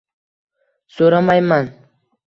So’ramayman: